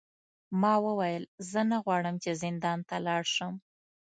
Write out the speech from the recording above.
ما وویل زه نه غواړم چې زندان ته لاړ شم.